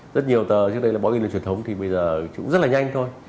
rất nhiều tờ trước đây là báo điện tử truyền thống thì bây giờ cũng rất là nhanh thôi